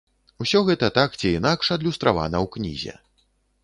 Усё гэта так ці інакш адлюстравана ў кнізе.